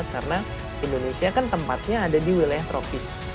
karena indonesia kan tempatnya ada di wilayah tropis